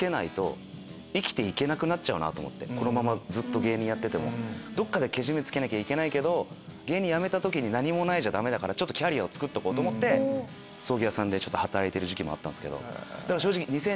ずっと芸人やっててもどっかでケジメつけなきゃいけないけど芸人やめた時に何もないじゃダメだからキャリアをつくっとこうと思って葬儀屋で働いてる時期もあった。